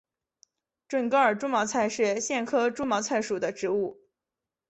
准噶尔猪毛菜是苋科猪毛菜属的植物。